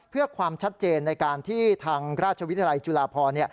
เพื่อความชัดเจนในการที่ทางราชวิทยาลัยจุฬาพร